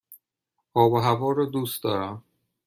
آب و هوا را دوست دارم.